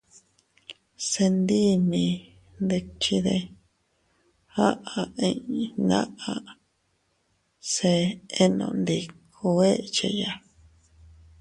—Se ndii mii ndikchide— aʼa inñnaʼa—, se enondikuu echeya.